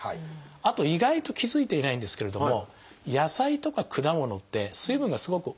あと意外と気付いていないんですけれども野菜とか果物って水分がすごく多いんですよね。